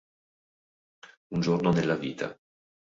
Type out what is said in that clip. Un giorno nella vita